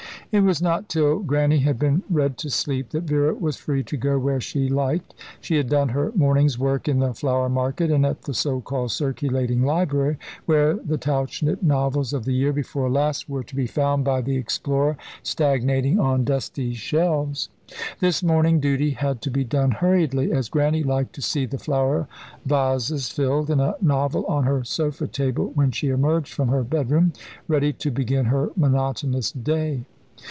It was not till Grannie had been read to sleep that Vera was free to go where she liked. She had done her morning's work in the flower market, and at the so called circulating library, where the Tauchnitz novels of the year before last were to be found by the explorer, stagnating on dusty shelves. This morning duty had to be done hurriedly, as Grannie liked to see the flower vases filled, and a novel on her sofa table when she emerged from her bedroom, ready to begin her monotonous day.